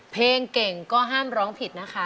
เพลงเก่งก็ห้ามร้องผิดนะคะ